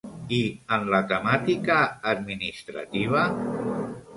I en la temàtica administrativa?